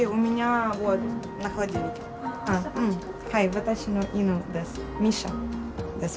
私の犬です。